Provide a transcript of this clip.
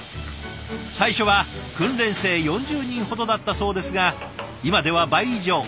最初は訓練生４０人ほどだったそうですが今では倍以上。